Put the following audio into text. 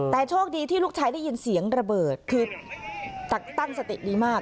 แต่โชคดีที่ลูกชายได้ยินเสียงระเบิดคือตั้งสติดีมาก